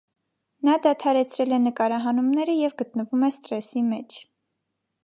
Նա դադարեցրել է նկարահանումները և գտնվում է սթրեսի մեջ։